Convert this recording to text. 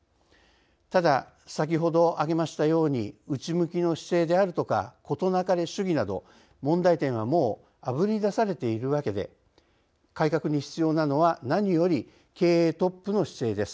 ただ、先ほど挙げましたように内向きの姿勢であるとか事なかれ主義など問題点はもうあぶり出されているわけで改革に必要なのは何より経営トップの姿勢です。